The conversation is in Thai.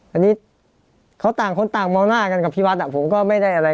อันนี้เขาต่างคนต่างมองหน้ากันกับที่วัดผมก็ไม่ได้อะไร